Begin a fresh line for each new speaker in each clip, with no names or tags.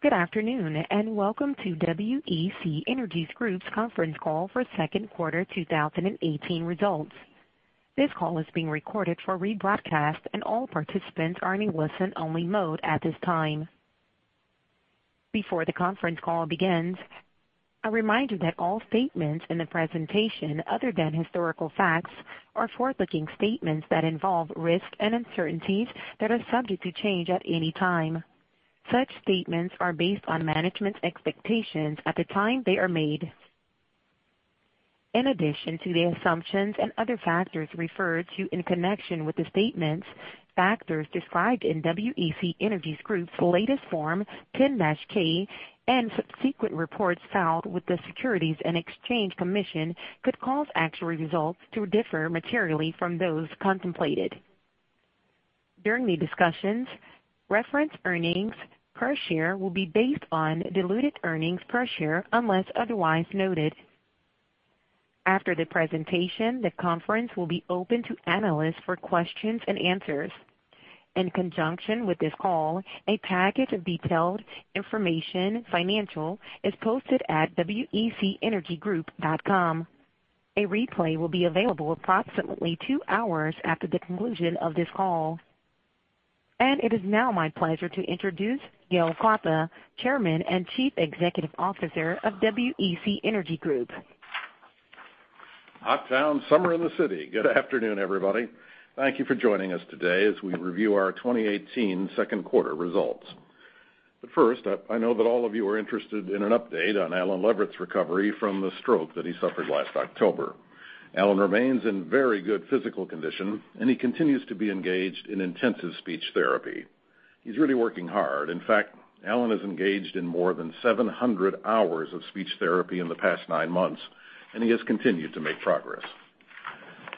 Good afternoon, welcome to WEC Energy Group's conference call for second quarter 2018 results. This call is being recorded for rebroadcast, and all participants are in listen-only mode at this time. Before the conference call begins, a reminder that all statements in the presentation other than historical facts are forward-looking statements that involve risks and uncertainties that are subject to change at any time. Such statements are based on management's expectations at the time they are made. In addition to the assumptions and other factors referred to in connection with the statements, factors described in WEC Energy Group's latest Form 10-K and subsequent reports filed with the Securities and Exchange Commission could cause actual results to differ materially from those contemplated. During the discussions, reference earnings per share will be based on diluted earnings per share unless otherwise noted. After the presentation, the conference will be open to analysts for questions and answers. In conjunction with this call, a package of detailed information financial is posted at wecenergygroup.com. A replay will be available approximately two hours after the conclusion of this call. It is now my pleasure to introduce Gale Klappa, Chairman and Chief Executive Officer of WEC Energy Group.
Hot town summer in the city. Good afternoon, everybody. Thank you for joining us today as we review our 2018 second quarter results. First, I know that all of you are interested in an update on Allen Leverett's recovery from the stroke that he suffered last October. Allen remains in very good physical condition, and he continues to be engaged in intensive speech therapy. He's really working hard. In fact, Allen is engaged in more than 700 hours of speech therapy in the past nine months, and he has continued to make progress.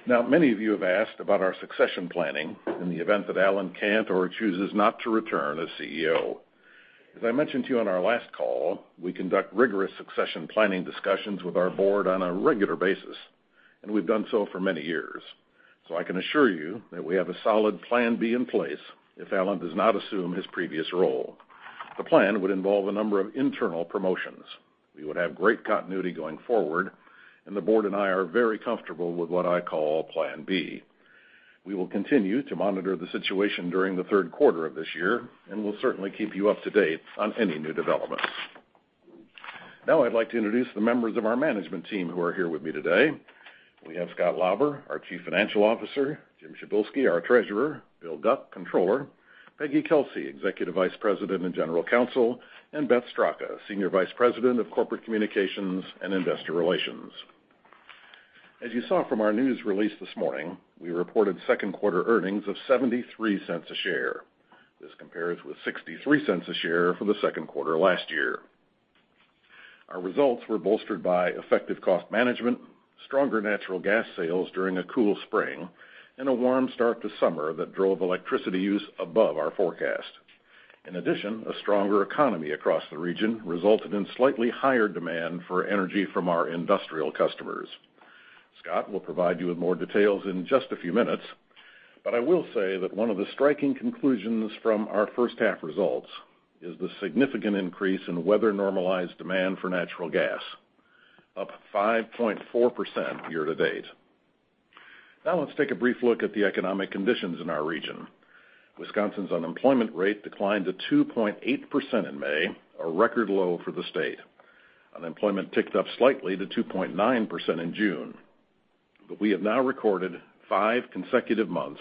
Many of you have asked about our succession planning in the event that Allen can't or chooses not to return as CEO. As I mentioned to you on our last call, we conduct rigorous succession planning discussions with our board on a regular basis, and we've done so for many years. I can assure you that we have a solid plan B in place if Allen does not assume his previous role. The plan would involve a number of internal promotions. We would have great continuity going forward, and the board and I are very comfortable with what I call plan B. We will continue to monitor the situation during the third quarter of this year, and we'll certainly keep you up to date on any new developments. I'd like to introduce the members of our management team who are here with me today. We have Scott Lauber, our Chief Financial Officer, Jim Przybylski, our Treasurer, Bill Guc, Controller, Peggy Kelsey, Executive Vice President and General Counsel, and Beth Straka, Senior Vice President of Corporate Communications and Investor Relations. As you saw from our news release this morning, we reported second quarter earnings of $0.73 a share. This compares with $0.63 a share for the second quarter last year. Our results were bolstered by effective cost management, stronger natural gas sales during a cool spring, and a warm start to summer that drove electricity use above our forecast. In addition, a stronger economy across the region resulted in slightly higher demand for energy from our industrial customers. Scott will provide you with more details in just a few minutes, but I will say that one of the striking conclusions from our first half results is the significant increase in weather-normalized demand for natural gas, up 5.4% year-to-date. Let's take a brief look at the economic conditions in our region. Wisconsin's unemployment rate declined to 2.8% in May, a record low for the state. Unemployment ticked up slightly to 2.9% in June, but we have now recorded five consecutive months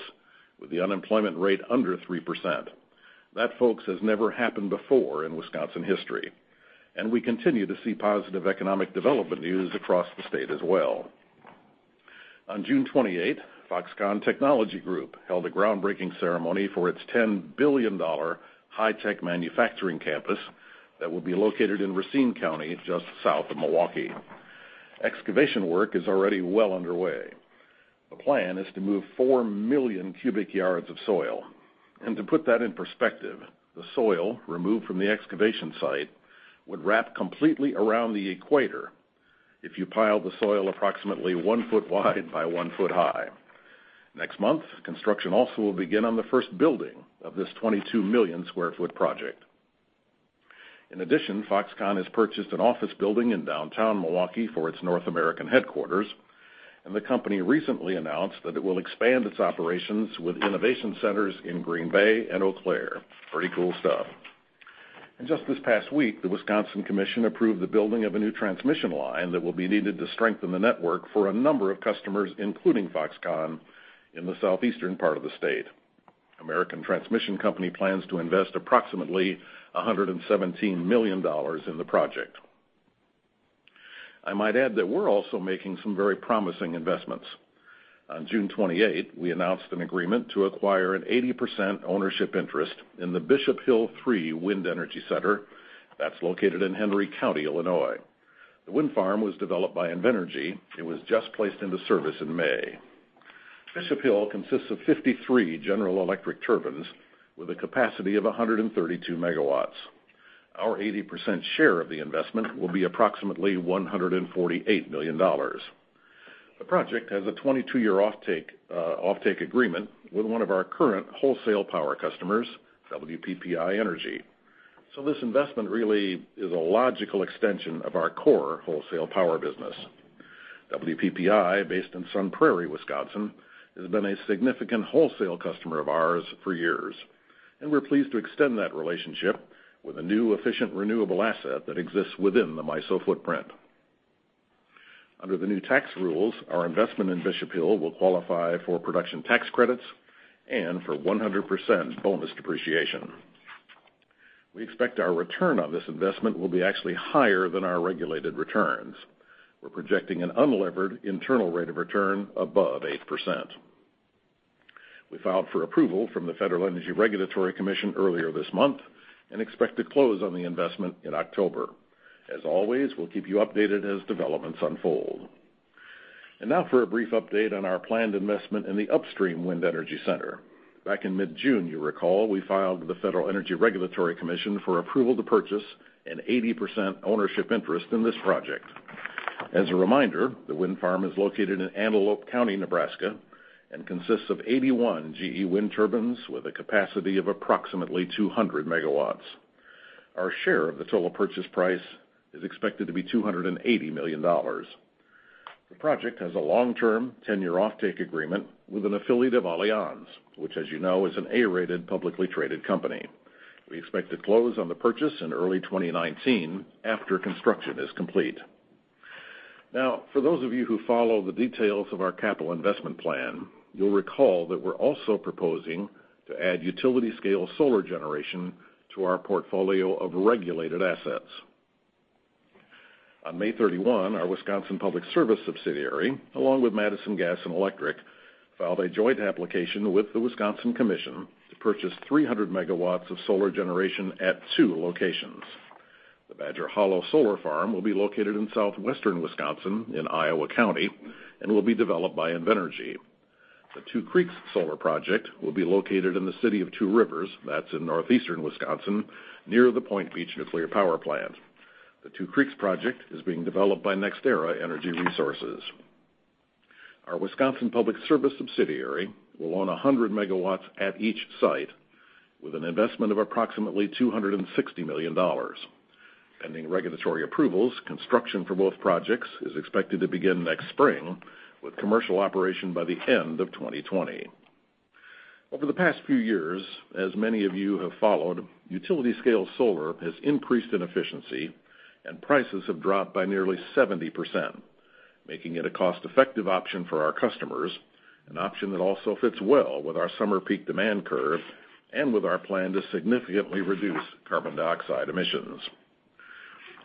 with the unemployment rate under 3%. That, folks, has never happened before in Wisconsin history. We continue to see positive economic development news across the state as well. On June 28th, Foxconn Technology Group held a groundbreaking ceremony for its $10 billion high-tech manufacturing campus that will be located in Racine County, just south of Milwaukee. Excavation work is already well underway. The plan is to move four million cubic yards of soil. To put that in perspective, the soil removed from the excavation site would wrap completely around the equator if you pile the soil approximately one foot wide by one foot high. Next month, construction also will begin on the first building of this 22-million-square-foot project. In addition, Foxconn has purchased an office building in downtown Milwaukee for its North American headquarters, and the company recently announced that it will expand its operations with innovation centers in Green Bay and Eau Claire. Pretty cool stuff. Just this past week, the Wisconsin Commission approved the building of a new transmission line that will be needed to strengthen the network for a number of customers, including Foxconn, in the southeastern part of the state. American Transmission Company plans to invest approximately $117 million in the project. I might add that we're also making some very promising investments. On June 28th, we announced an agreement to acquire an 80% ownership interest in the Bishop Hill 3 wind energy center that's located in Henry County, Illinois. The wind farm was developed by Invenergy and was just placed into service in May. Bishop Hill consists of 53 General Electric turbines with a capacity of 132 MW. Our 80% share of the investment will be approximately $148 million. The project has a 22-year offtake agreement with one of our current wholesale power customers, WPPI Energy. This investment really is a logical extension of our core wholesale power business. WPPI, based in Sun Prairie, Wisconsin, has been a significant wholesale customer of ours for years, and we're pleased to extend that relationship with a new efficient renewable asset that exists within the MISO footprint. Under the new tax rules, our investment in Bishop Hill will qualify for production tax credits and for 100% bonus depreciation. We expect our return on this investment will be actually higher than our regulated returns. We're projecting an unlevered internal rate of return above 8%. We filed for approval from the Federal Energy Regulatory Commission earlier this month and expect to close on the investment in October. As always, we'll keep you updated as developments unfold. Now for a brief update on our planned investment in the Upstream Wind Energy Center. Back in mid-June, you recall, we filed the Federal Energy Regulatory Commission for approval to purchase an 80% ownership interest in this project. As a reminder, the wind farm is located in Antelope County, Nebraska, and consists of 81 GE wind turbines with a capacity of approximately 200 megawatts. Our share of the total purchase price is expected to be $280 million. The project has a long-term 10-year offtake agreement with an affiliate of Allianz, which, as you know, is an A-rated, publicly traded company. We expect to close on the purchase in early 2019 after construction is complete. For those of you who follow the details of our capital investment plan, you'll recall that we're also proposing to add utility-scale solar generation to our portfolio of regulated assets. On May 31, our Wisconsin Public Service subsidiary, along with Madison Gas and Electric, filed a joint application with the Wisconsin Commission to purchase 300 megawatts of solar generation at two locations. The Badger Hollow Solar Farm will be located in southwestern Wisconsin in Iowa County and will be developed by Invenergy. The Two Creeks Solar Project will be located in the city of Two Rivers, that's in northeastern Wisconsin, near the Point Beach Nuclear Power Plant. The Two Creeks project is being developed by NextEra Energy Resources. Our Wisconsin Public Service subsidiary will own 100 megawatts at each site with an investment of approximately $260 million. Pending regulatory approvals, construction for both projects is expected to begin next spring, with commercial operation by the end of 2020. Over the past few years, as many of you have followed, utility-scale solar has increased in efficiency, and prices have dropped by nearly 70%, making it a cost-effective option for our customers, an option that also fits well with our summer peak demand curve and with our plan to significantly reduce carbon dioxide emissions.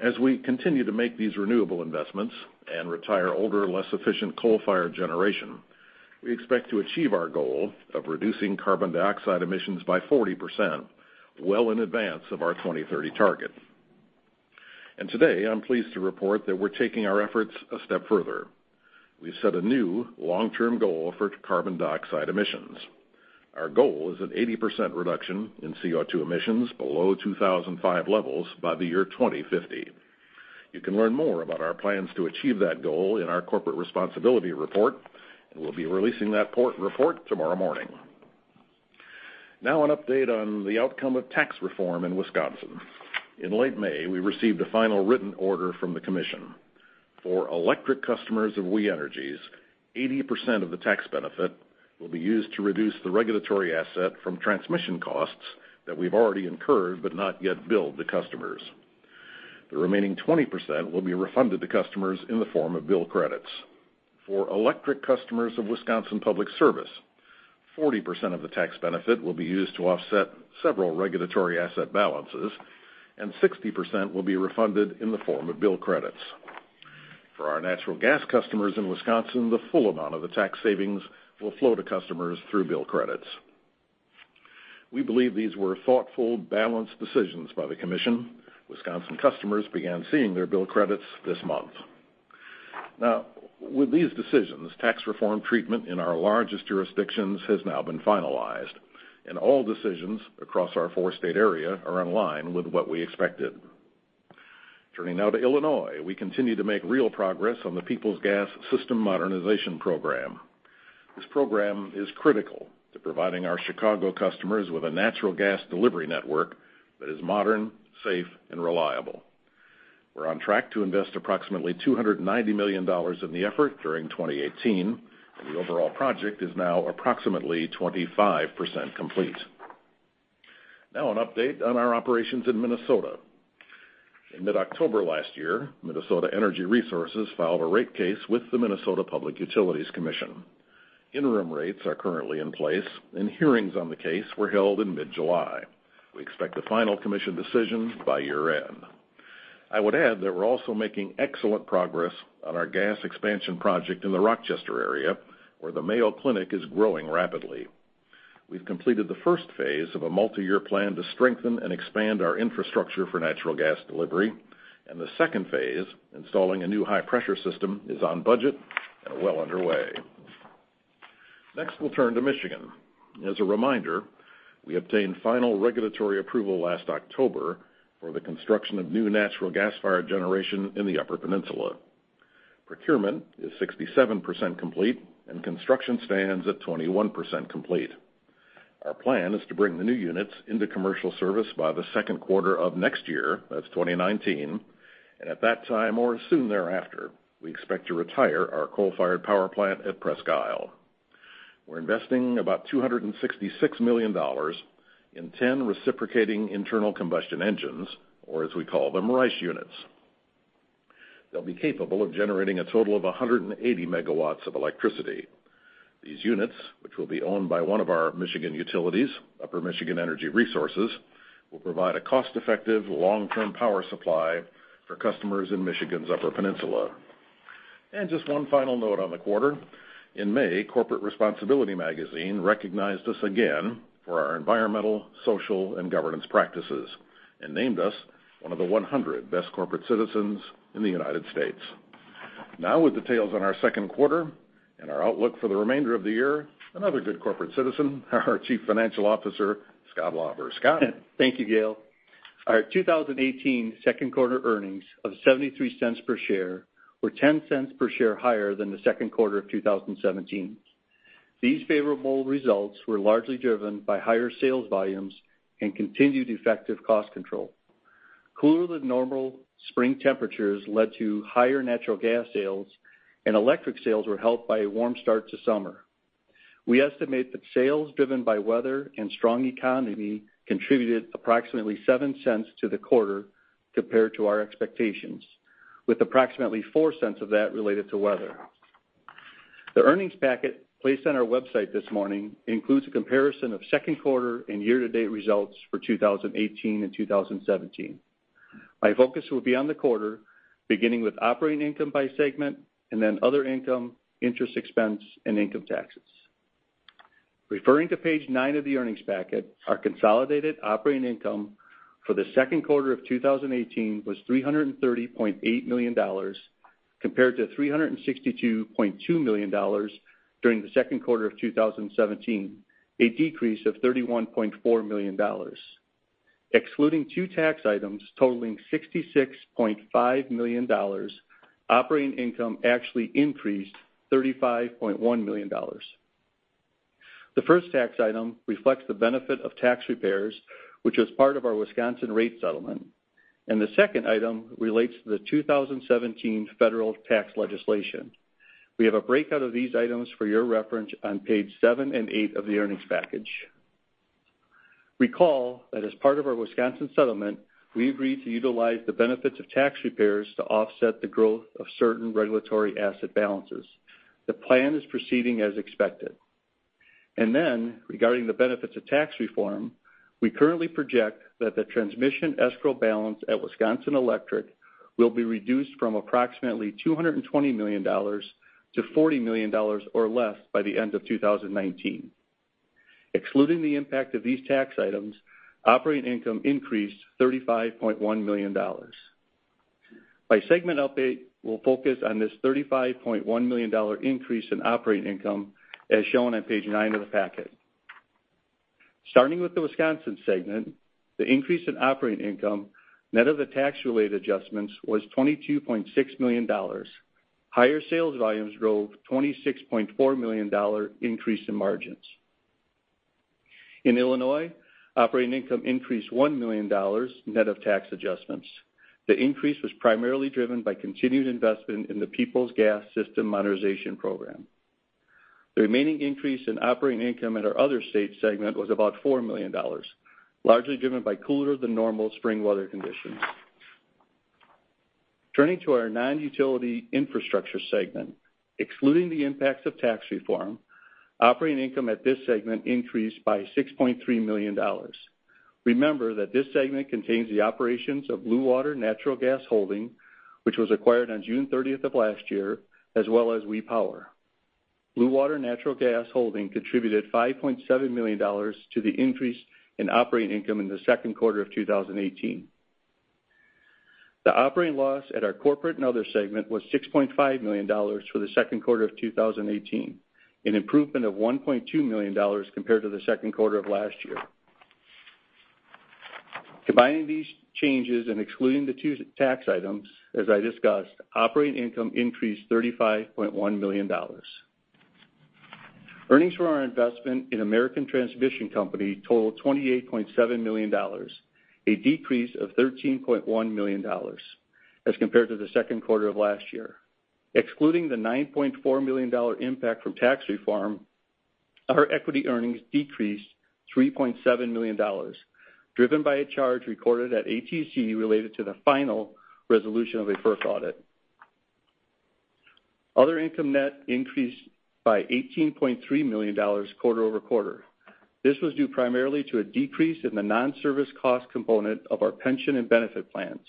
As we continue to make these renewable investments and retire older, less efficient coal-fired generation, we expect to achieve our goal of reducing carbon dioxide emissions by 40%, well in advance of our 2030 target. Today, I'm pleased to report that we're taking our efforts a step further. We've set a new long-term goal for carbon dioxide emissions. Our goal is an 80% reduction in CO2 emissions below 2005 levels by the year 2050. You can learn more about our plans to achieve that goal in our corporate responsibility report. We'll be releasing that report tomorrow morning. An update on the outcome of tax reform in Wisconsin. In late May, we received a final written order from the Commission. For electric customers of We Energies, 80% of the tax benefit will be used to reduce the regulatory asset from transmission costs that we've already incurred but not yet billed the customers. The remaining 20% will be refunded to customers in the form of bill credits. For electric customers of Wisconsin Public Service, 40% of the tax benefit will be used to offset several regulatory asset balances, and 60% will be refunded in the form of bill credits. For our natural gas customers in Wisconsin, the full amount of the tax savings will flow to customers through bill credits. We believe these were thoughtful, balanced decisions by the Commission. Wisconsin customers began seeing their bill credits this month. With these decisions, tax reform treatment in our largest jurisdictions has now been finalized, and all decisions across our four-state area are in line with what we expected. Turning now to Illinois, we continue to make real progress on the Peoples Gas System Modernization program. This program is critical to providing our Chicago customers with a natural gas delivery network that is modern, safe, and reliable. We're on track to invest approximately $290 million in the effort during 2018, and the overall project is now approximately 25% complete. An update on our operations in Minnesota. In mid-October last year, Minnesota Energy Resources filed a rate case with the Minnesota Public Utilities Commission. Interim rates are currently in place, and hearings on the case were held in mid-July. We expect the final commission decision by year-end. I would add that we're also making excellent progress on our gas expansion project in the Rochester area, where the Mayo Clinic is growing rapidly. We've completed the first phase of a multiyear plan to strengthen and expand our infrastructure for natural gas delivery, and the second phase, installing a new high-pressure system, is on budget and well underway. We'll turn to Michigan. As a reminder, we obtained final regulatory approval last October for the construction of new natural gas-fired generation in the Upper Peninsula. Procurement is 67% complete, and construction stands at 21% complete. Our plan is to bring the new units into commercial service by the second quarter of next year, that's 2019, and at that time or soon thereafter, we expect to retire our coal-fired power plant at Presque Isle. We're investing about $266 million in 10 reciprocating internal combustion engines, or as we call them, RICE units. They'll be capable of generating a total of 180 megawatts of electricity. These units, which will be owned by one of our Michigan utilities, Upper Michigan Energy Resources, will provide a cost-effective, long-term power supply for customers in Michigan's Upper Peninsula. Just one final note on the quarter. In May, Corporate Responsibility Magazine recognized us again for our environmental, social, and governance practices, and named us one of the 100 best corporate citizens in the United States. With details on our second quarter and our outlook for the remainder of the year, another good corporate citizen, our Chief Financial Officer, Scott Lauber. Scott?
Thank you, Gale. Our 2018 second quarter earnings of $0.73 per share were $0.10 per share higher than the second quarter of 2017. These favorable results were largely driven by higher sales volumes and continued effective cost control. Cooler-than-normal spring temperatures led to higher natural gas sales, and electric sales were helped by a warm start to summer. We estimate that sales driven by weather and strong economy contributed approximately $0.07 to the quarter compared to our expectations, with approximately $0.04 of that related to weather. The earnings packet placed on our website this morning includes a comparison of second quarter and year-to-date results for 2018 and 2017. My focus will be on the quarter, beginning with operating income by segment, then other income, interest expense, and income taxes. Referring to page nine of the earnings packet, our consolidated operating income for the second quarter of 2018 was $330.8 million, compared to $362.2 million during the second quarter of 2017, a decrease of $31.4 million. Excluding two tax items totaling $66.5 million, operating income actually increased $35.1 million. The first tax item reflects the benefit of tax repairs, which was part of our Wisconsin rate settlement, and the second item relates to the 2017 federal tax legislation. We have a breakout of these items for your reference on page seven and eight of the earnings package. Recall that as part of our Wisconsin settlement, we agreed to utilize the benefits of tax repairs to offset the growth of certain regulatory asset balances. The plan is proceeding as expected. Regarding the benefits of tax reform, we currently project that the transmission escrow balance at Wisconsin Electric will be reduced from approximately $220 million to $40 million or less by the end of 2019. Excluding the impact of these tax items, operating income increased $35.1 million. By segment update, we'll focus on this $35.1 million increase in operating income, as shown on page nine of the packet. Starting with the Wisconsin segment, the increase in operating income, net of the tax-related adjustments, was $22.6 million. Higher sales volumes drove $26.4 million increase in margins. In Illinois, operating income increased $1 million, net of tax adjustments. The increase was primarily driven by continued investment in the Peoples Gas System Modernization Program. The remaining increase in operating income at our Other State segment was about $4 million, largely driven by cooler-than-normal spring weather conditions. Turning to our Non-Utility Infrastructure segment, excluding the impacts of tax reform, operating income at this segment increased by $6.3 million. Remember that this segment contains the operations of Bluewater Natural Gas Holding, which was acquired on June 30th of last year, as well as We Power. Bluewater Natural Gas Holding contributed $5.7 million to the increase in operating income in the second quarter of 2018. The operating loss at our Corporate and Other segment was $6.5 million for the second quarter of 2018, an improvement of $1.2 million compared to the second quarter of last year. Combining these changes and excluding the two tax items, as I discussed, operating income increased $35.1 million. Earnings for our investment in American Transmission Company totaled $28.7 million, a decrease of $13.1 million as compared to the second quarter of last year. Excluding the $9.4 million impact from tax reform, our equity earnings decreased $3.7 million, driven by a charge recorded at ATC related to the final resolution of a FERC audit. Other income net increased by $18.3 million quarter-over-quarter. This was due primarily to a decrease in the non-service cost component of our pension and benefit plans.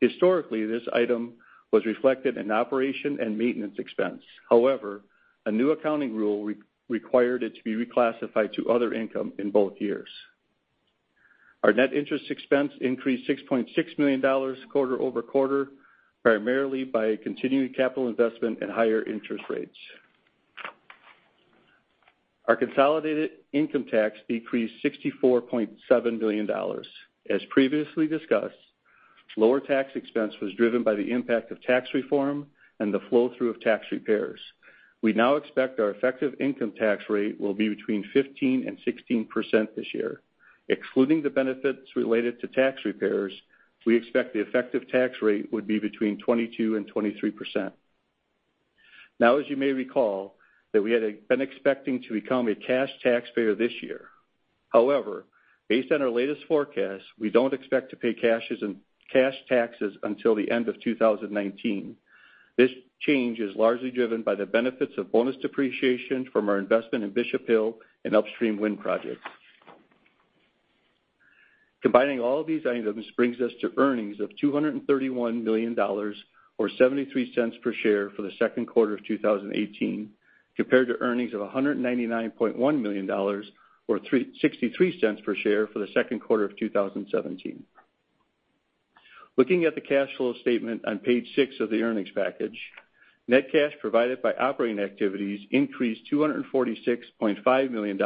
Historically, this item was reflected in operation and maintenance expense. A new accounting rule required it to be reclassified to other income in both years. Our net interest expense increased $6.6 million quarter-over-quarter, primarily by continuing capital investment and higher interest rates. Our consolidated income tax decreased $64.7 million. As previously discussed, lower tax expense was driven by the impact of tax reform and the flow-through of tax repairs. We now expect our effective income tax rate will be between 15% and 16% this year. Excluding the benefits related to tax repairs, we expect the effective tax rate would be between 22% and 23%. Now, as you may recall, that we had been expecting to become a cash taxpayer this year. However, based on our latest forecast, we don't expect to pay cash taxes until the end of 2019. This change is largely driven by the benefits of bonus depreciation from our investment in Bishop Hill and upstream wind projects. Combining all of these items brings us to earnings of $231 million, or $0.73 per share for the second quarter of 2018, compared to earnings of $199.1 million or $0.63 per share for the second quarter of 2017. Looking at the cash flow statement on page six of the earnings package, net cash provided by operating activities increased $246.5 million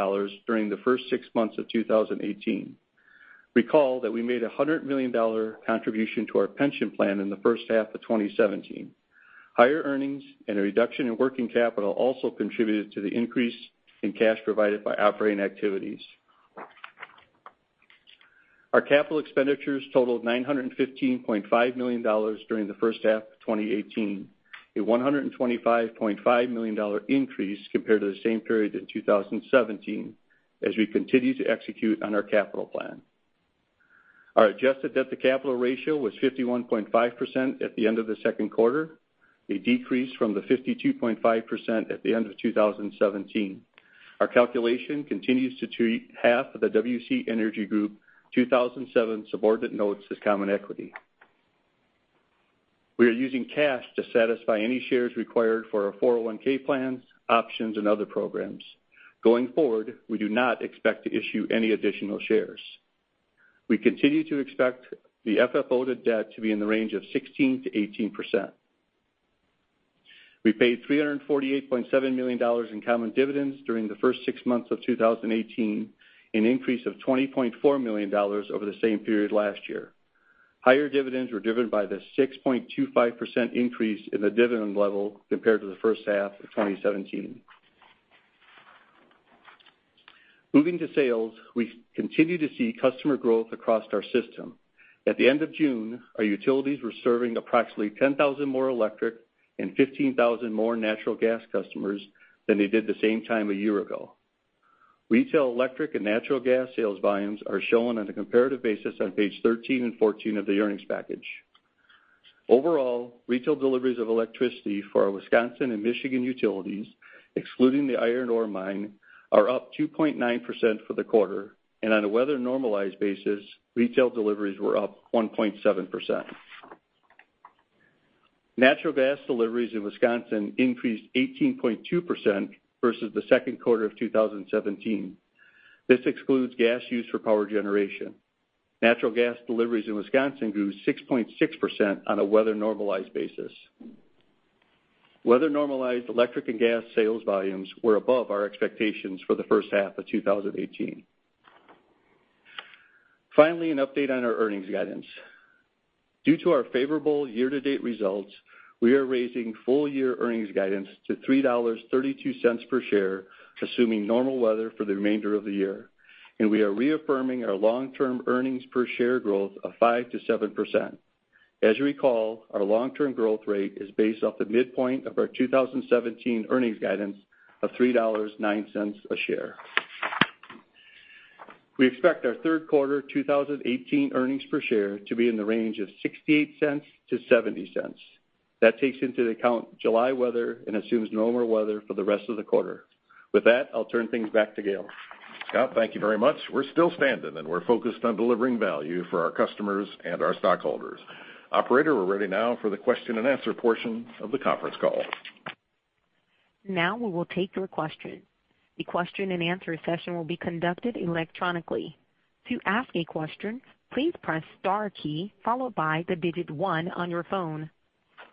during the first six months of 2018. Recall that we made $100 million contribution to our pension plan in the first half of 2017. Higher earnings and a reduction in working capital also contributed to the increase in cash provided by operating activities. Our capital expenditures totaled $915.5 million during the first half of 2018, a $125.5 million increase compared to the same period in 2017, as we continue to execute on our capital plan. Our adjusted debt-to-capital ratio was 51.5% at the end of the second quarter, a decrease from the 52.5% at the end of 2017. Our calculation continues to treat half of the WEC Energy Group 2007 subordinate notes as common equity. We are using cash to satisfy any shares required for our 401 plans, options, and other programs. Going forward, we do not expect to issue any additional shares. We continue to expect the FFO to debt to be in the range of 16%-18%. We paid $348.7 million in common dividends during the first six months of 2018, an increase of $20.4 million over the same period last year. Higher dividends were driven by the 6.25% increase in the dividend level compared to the first half of 2017. Moving to sales, we continue to see customer growth across our system. At the end of June, our utilities were serving approximately 10,000 more electric and 15,000 more natural gas customers than they did the same time a year ago. Retail electric and natural gas sales volumes are shown on a comparative basis on page 13 and 14 of the earnings package. Overall, retail deliveries of electricity for our Wisconsin and Michigan utilities, excluding the iron ore mine, are up 2.9% for the quarter, and on a weather-normalized basis, retail deliveries were up 1.7%. Natural gas deliveries in Wisconsin increased 18.2% versus the second quarter of 2017. This excludes gas used for power generation. Natural gas deliveries in Wisconsin grew 6.6% on a weather-normalized basis. Weather-normalized electric and gas sales volumes were above our expectations for the first half of 2018. Finally, an update on our earnings guidance. Due to our favorable year-to-date results, we are raising full-year earnings guidance to $3.32 per share, assuming normal weather for the remainder of the year, and we are reaffirming our long-term earnings per share growth of 5%-7%. As you recall, our long-term growth rate is based off the midpoint of our 2017 earnings guidance of $3.09 a share. We expect our third quarter 2018 earnings per share to be in the range of $0.68-$0.70. That takes into account July weather and assumes normal weather for the rest of the quarter. With that, I'll turn things back to Gale.
Scott, thank you very much. We're still standing. We're focused on delivering value for our customers and our stockholders. Operator, we're ready now for the question-and-answer portion of the conference call.
We will take your question. The question-and-answer session will be conducted electronically. To ask a question, please press star key, followed by the digit one on your phone.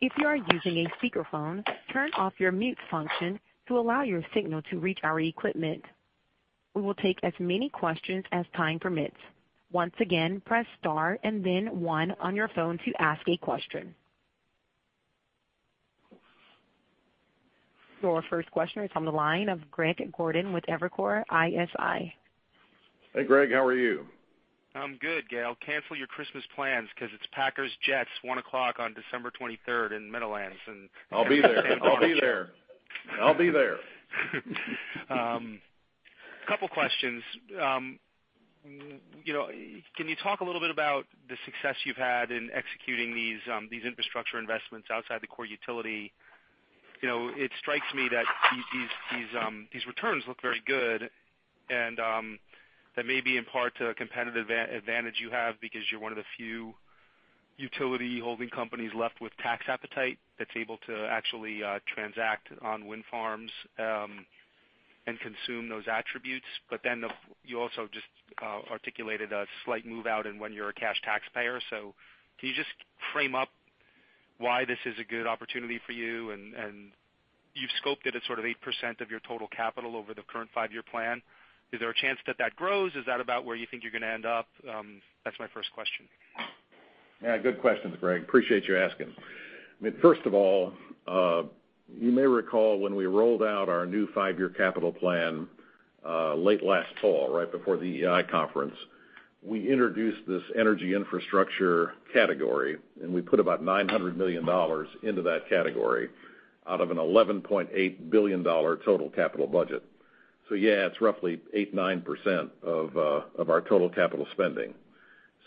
If you are using a speakerphone, turn off your mute function to allow your signal to reach our equipment. We will take as many questions as time permits. Once again, press star and then one on your phone to ask a question. Your first question is on the line of Greg Gordon with Evercore ISI.
Hey, Greg. How are you?
I'm good, Gale. Cancel your Christmas plans because it's Packers-Jets, 1:00 P.M. on December 23rd in Meadowlands.
I'll be there.
A couple questions. Can you talk a little bit about the success you've had in executing these infrastructure investments outside the core utility? It strikes me that these returns look very good, that may be in part to a competitive advantage you have because you're one of the few Utility holding companies left with tax appetite that's able to actually transact on wind farms and consume those attributes. You also just articulated a slight move out in when you're a cash taxpayer. Can you just frame up why this is a good opportunity for you? You've scoped it at sort of 8% of your total capital over the current five-year plan. Is there a chance that that grows? Is that about where you think you're going to end up? That's my first question.
Good questions, Greg. Appreciate you asking. I mean, first of all, you may recall when we rolled out our new five-year capital plan late last fall, right before the EEI conference, we introduced this energy infrastructure category, and we put about $900 million into that category out of an $11.8 billion total capital budget. It's roughly 8%-9% of our total capital spending.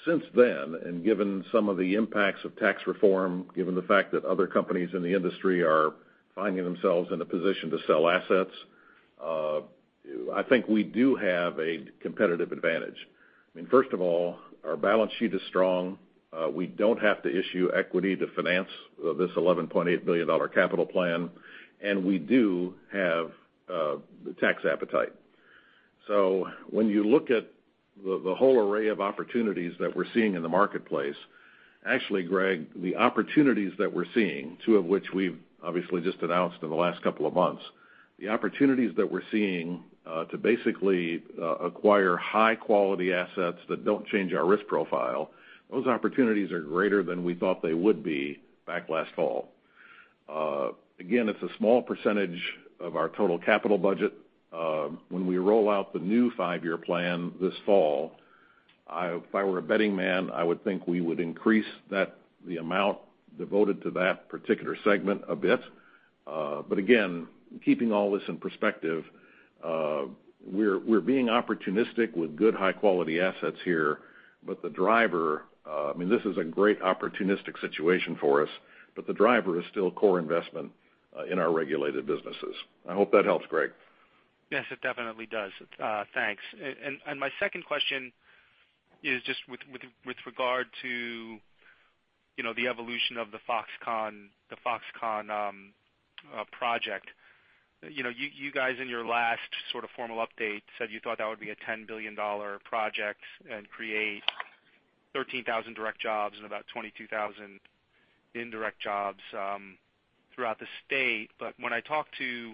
Since then, given some of the impacts of tax reform, given the fact that other companies in the industry are finding themselves in a position to sell assets, I think we do have a competitive advantage. I mean, first of all, our balance sheet is strong. We don't have to issue equity to finance this $11.8 billion capital plan, and we do have the tax appetite. When you look at the whole array of opportunities that we're seeing in the marketplace, actually, Greg, the opportunities that we're seeing, two of which we've obviously just announced in the last couple of months, the opportunities that we're seeing to basically acquire high-quality assets that don't change our risk profile, those opportunities are greater than we thought they would be back last fall. Again, it's a small percentage of our total capital budget. When we roll out the new five-year plan this fall, if I were a betting man, I would think we would increase the amount devoted to that particular segment a bit. Again, keeping all this in perspective, we're being opportunistic with good high-quality assets here. I mean, this is a great opportunistic situation for us, but the driver is still core investment in our regulated businesses. I hope that helps, Greg.
Yes, it definitely does. Thanks. My second question is just with regard to the evolution of the Foxconn project. You guys in your last sort of formal update said you thought that would be a $10 billion project and create 13,000 direct jobs and about 22,000 indirect jobs throughout the state. When I talk to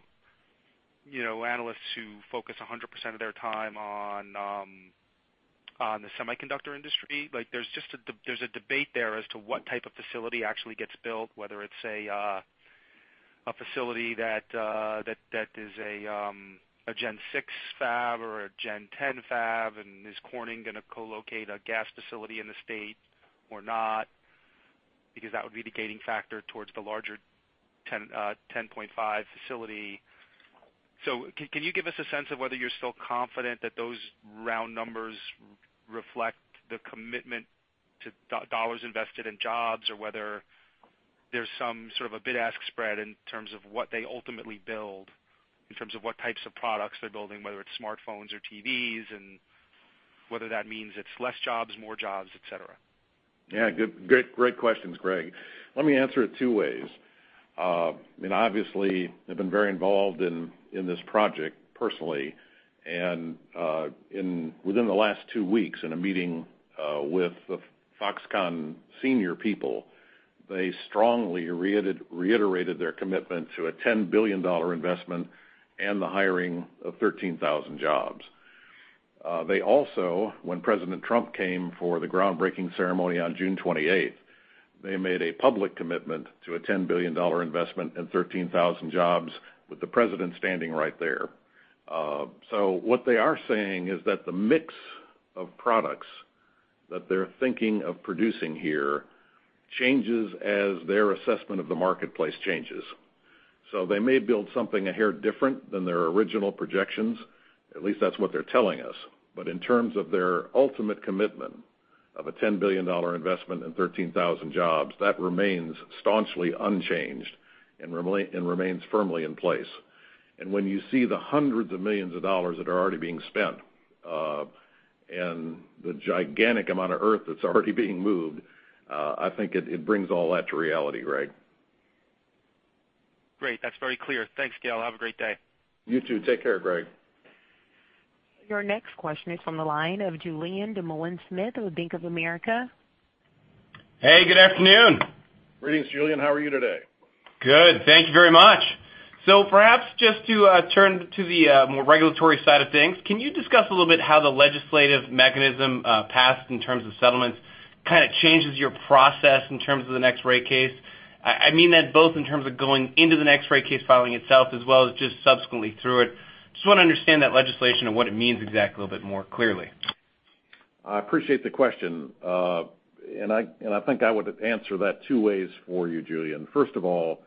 analysts who focus 100% of their time on the semiconductor industry, there's a debate there as to what type of facility actually gets built, whether it's a Gen 6 fab or a Gen 10 fab, and is Corning going to co-locate a gas facility in the state or not? Because that would be the gating factor towards the larger 10.5 facility. Can you give us a sense of whether you're still confident that those round numbers reflect the commitment to dollars invested in jobs or whether there's some sort of a bid-ask spread in terms of what they ultimately build, in terms of what types of products they're building, whether it's smartphones or TVs, and whether that means it's less jobs, more jobs, et cetera?
Yeah. Great questions, Greg. Let me answer it two ways. I mean, obviously, I've been very involved in this project personally, and within the last two weeks in a meeting with the Foxconn senior people, they strongly reiterated their commitment to a $10 billion investment and the hiring of 13,000 jobs. They also, when President Trump came for the groundbreaking ceremony on June 28th, they made a public commitment to a $10 billion investment and 13,000 jobs with the president standing right there. What they are saying is that the mix of products that they're thinking of producing here changes as their assessment of the marketplace changes. They may build something a hair different than their original projections. At least that's what they're telling us. In terms of their ultimate commitment of a $10 billion investment and 13,000 jobs, that remains staunchly unchanged and remains firmly in place. When you see the hundreds of millions of dollars that are already being spent, and the gigantic amount of earth that's already being moved, I think it brings all that to reality, Greg.
Great. That's very clear. Thanks, Gale. Have a great day.
You too. Take care, Greg.
Your next question is from the line of Julien Dumoulin-Smith with Bank of America.
Hey, good afternoon.
Greetings, Julien. How are you today?
Good. Thank you very much. Perhaps just to turn to the more regulatory side of things, can you discuss a little bit how the legislative mechanism passed in terms of settlements kind of changes your process in terms of the next rate case? I mean that both in terms of going into the next rate case filing itself as well as just subsequently through it. Just want to understand that legislation and what it means exactly a little bit more clearly.
I appreciate the question. I think I would answer that two ways for you, Julien. First of all,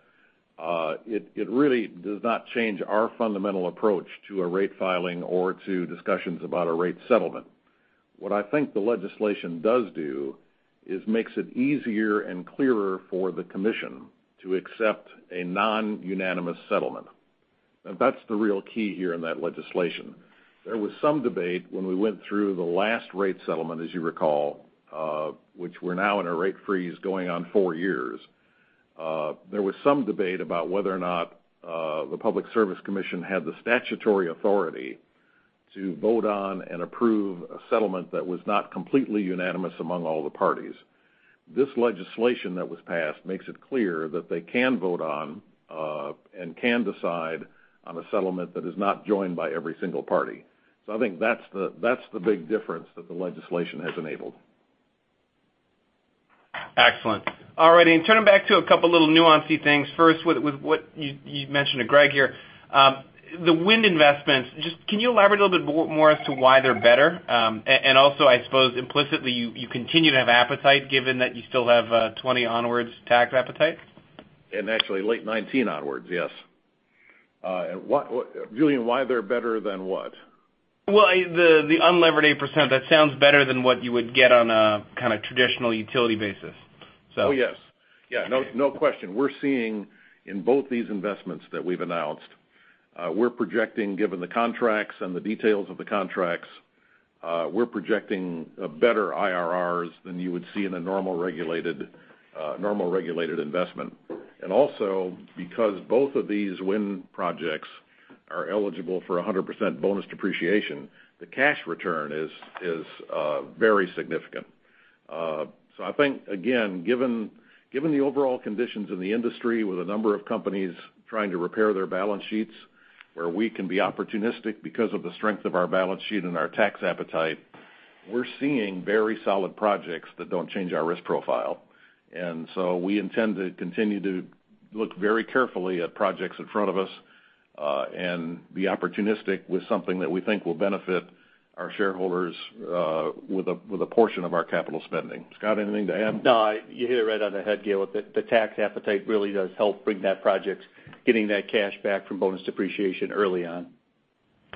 it really does not change our fundamental approach to a rate filing or to discussions about a rate settlement. What I think the legislation does do is makes it easier and clearer for the commission to accept a non-unanimous settlement. That's the real key here in that legislation. There was some debate when we went through the last rate settlement, as you recall, which we're now in a rate freeze going on four years. There was some debate about whether or not the Public Service Commission had the statutory authority to vote on and approve a settlement that was not completely unanimous among all the parties. This legislation that was passed makes it clear that they can vote on, and can decide on a settlement that is not joined by every single party. I think that's the big difference that the legislation has enabled.
Excellent. All righty, turning back to a couple little nuancy things. First, with what you mentioned to Greg here, the wind investments, just can you elaborate a little bit more as to why they're better? Also, I suppose implicitly, you continue to have appetite given that you still have 20 onwards tax appetite.
Actually late 2019 onwards, yes. Julien, why they're better than what?
The unlevered 8% that sounds better than what you would get on a kind of traditional utility basis.
Yes.
Yeah.
No question. We're seeing in both these investments that we've announced, we're projecting, given the contracts and the details of the contracts, we're projecting better IRRs than you would see in a normal regulated investment. Also because both of these wind projects are eligible for 100% bonus depreciation, the cash return is very significant. I think, again, given the overall conditions in the industry with a number of companies trying to repair their balance sheets where we can be opportunistic because of the strength of our balance sheet and our tax appetite, we're seeing very solid projects that don't change our risk profile. We intend to continue to look very carefully at projects in front of us, and be opportunistic with something that we think will benefit our shareholders with a portion of our capital spending. Scott, anything to add?
You hit it right on the head, Gale, with the tax appetite really does help bring that project, getting that cash back from bonus depreciation early on.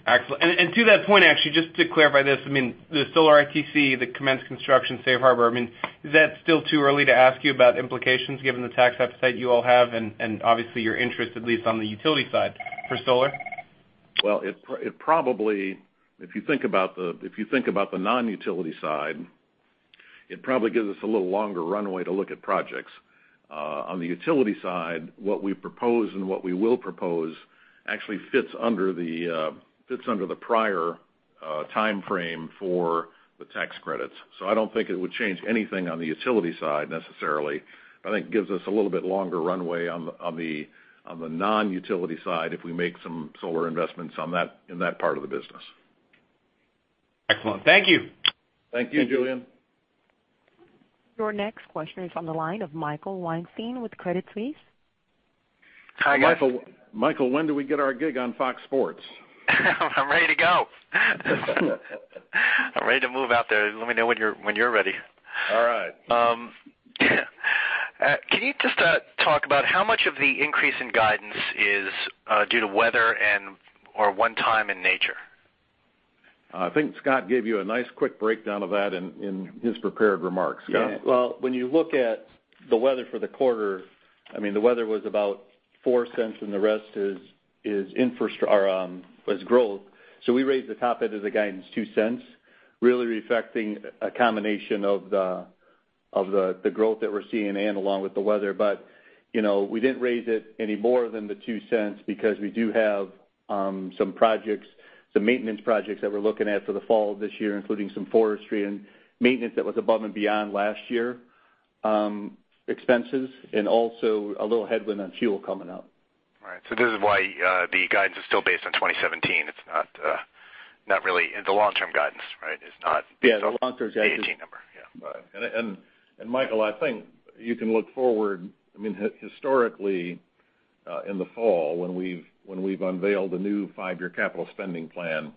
Excellent. To that point, actually, just to clarify this, I mean the solar ITC, the commence construction safe harbor, I mean, is that still too early to ask you about implications given the tax appetite you all have and obviously your interest at least on the utility side for solar?
Well, if you think about the non-utility side, it probably gives us a little longer runway to look at projects. On the utility side, what we propose and what we will propose actually fits under the prior timeframe for the tax credits. I don't think it would change anything on the utility side necessarily. I think it gives us a little bit longer runway on the non-utility side if we make some solar investments in that part of the business.
Excellent. Thank you.
Thank you, Julien.
Your next question is on the line of Michael Weinstein with Credit Suisse.
Hi, guys.
Michael, when do we get our gig on Fox Sports?
I'm ready to go. I'm ready to move out there. Let me know when you're ready.
All right.
Can you just talk about how much of the increase in guidance is due to weather and/or one time in nature?
I think Scott gave you a nice quick breakdown of that in his prepared remarks. Scott?
When you look at the weather for the quarter, I mean, the weather was about $0.04 and the rest is growth. We raised the top end of the guidance $0.02, really reflecting a combination of the growth that we're seeing and along with the weather. We didn't raise it any more than the $0.02 because we do have some maintenance projects that we're looking at for the fall of this year, including some forestry and maintenance that was above and beyond last year, expenses, and also a little headwind on fuel coming up.
All right. This is why the guidance is still based on 2017. It's a long-term guidance, right? It's not.
Yeah, the long-term guidance.
the 2018 number. Yeah.
Michael, I think you can look forward, I mean, historically, in the fall when we've unveiled a new five-year capital spending plan,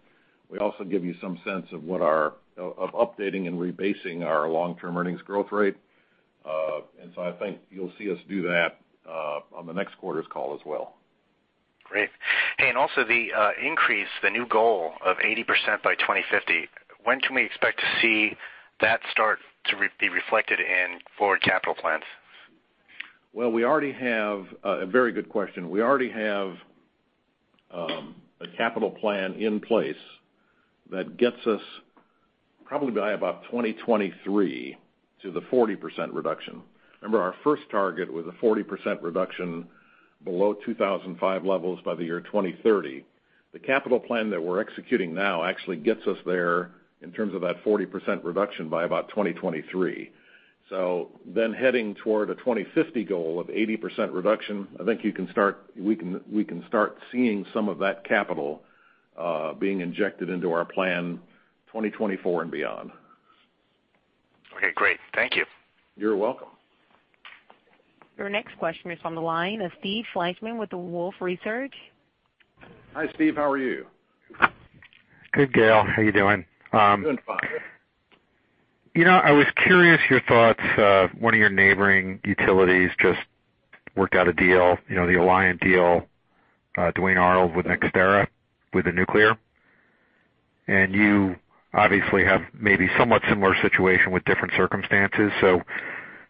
we also give you some sense of updating and rebasing our long-term earnings growth rate. I think you'll see us do that on the next quarter's call as well.
Great. Hey, also the increase, the new goal of 80% by 2050, when can we expect to see that start to be reflected in forward capital plans?
Very good question. We already have a capital plan in place that gets us probably by about 2023 to the 40% reduction. Remember our first target was a 40% reduction below 2005 levels by the year 2030. The capital plan that we're executing now actually gets us there in terms of that 40% reduction by about 2023. Heading toward a 2050 goal of 80% reduction, I think we can start seeing some of that capital being injected into our plan 2024 and beyond.
Okay, great. Thank you.
You're welcome.
Your next question is on the line of Steve Fleishman with Wolfe Research.
Hi, Steve. How are you?
Good, Gale. How you doing?
Doing fine.
I was curious your thoughts of one of your neighboring utilities just worked out a deal, the Alliant deal, Duane Arnold with NextEra with the nuclear. You obviously have maybe somewhat similar situation with different circumstances.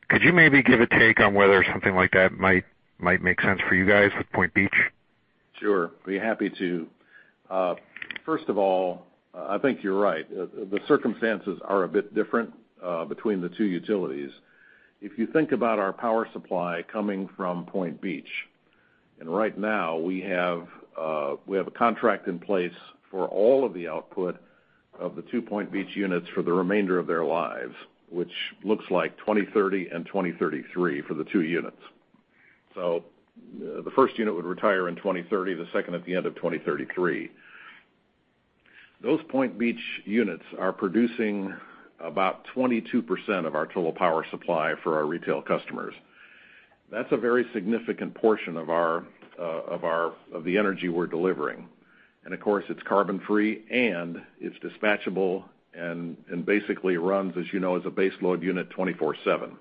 Could you maybe give a take on whether something like that might make sense for you guys at Point Beach?
Sure. Be happy to. First of all, I think you're right. The circumstances are a bit different between the two utilities. If you think about our power supply coming from Point Beach, right now we have a contract in place for all of the output of the two Point Beach units for the remainder of their lives, which looks like 2030 and 2033 for the two units. The first unit would retire in 2030, the second at the end of 2033. Those Point Beach units are producing about 22% of our total power supply for our retail customers. That's a very significant portion of the energy we're delivering. Of course, it's carbon free, and it's dispatchable and basically runs, as you know, as a base load unit 24/7.